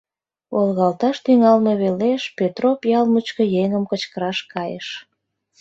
Волгалташ тӱҥалме велеш Петроп ял мучко еҥым кычкыраш кайыш.